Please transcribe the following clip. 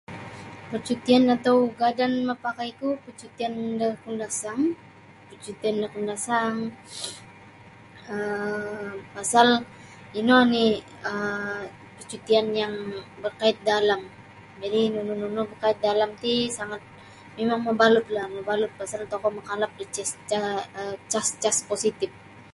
Pecutian atau ugadan mapakaiku pecutian da Kundasang pecutian da Kundasang um pasal ino ni um pecutian yang bekait dalam jadi nunu nunu bekait dalam ti sangat mimang mabalut lah mabalut pasal tokou makalap da cas ca um cas-cas positip.